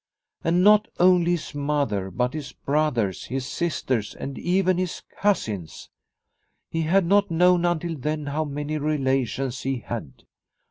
And not only his mother, but his brothers, his sisters, and even his cousins. He had not known until then how many relations he had.